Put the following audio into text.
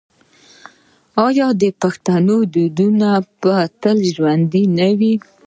آیا د پښتنو دودونه به تل ژوندي نه وي؟